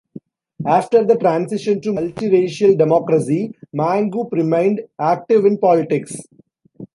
After the transition to multiracial democracy, Mangope remained active in politics.